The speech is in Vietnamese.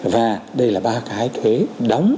và đây là ba cái thuế đóng